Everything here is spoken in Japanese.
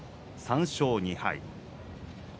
３勝２敗。